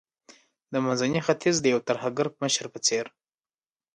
د منځني ختیځ د یو ترهګر مشر په څیر